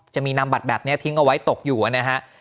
จะมีนำบัตรแบบนี้ทิ้งเอาไว้ตกอยู่นะฮะ